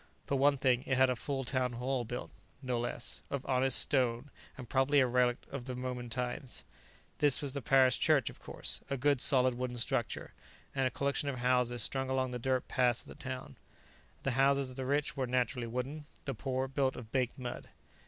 For one thing, it had a full town hall, built no less of honest stone, and probably a relict of the Roman times. There was the parish church, of course, a good solid wooden structure, and a collection of houses strung along the dirt paths of the town. The houses of the rich were, naturally, wooden; the poor built of baked mud.